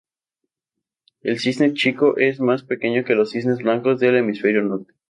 El cisne chico es el más pequeño de los cisnes blancos del Hemisferio Norte.